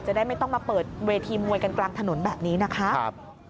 จะได้ไม่ต้องมาเปิดเวทีมวยกันกลางถนนแบบนี้นะคะ